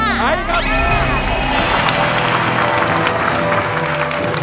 ใช้ใช้ใช้ใช้